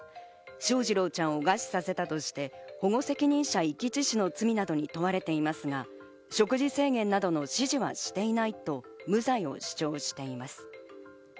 翔士郎ちゃんを餓死させたとして保護責任者遺棄致死の罪などに問われていますが、食事制限などの指示はしていないと無罪を主張しています。